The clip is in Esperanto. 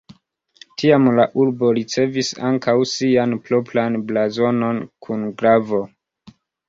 Tiam la urbo ricevis ankaŭ sian propran blazonon kun glavo.